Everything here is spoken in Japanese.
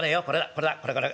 これだこれこれ。